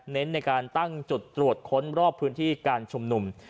เน้นในการตั้งจุดตรวจค้นรอบพื้นที่การชุมนุม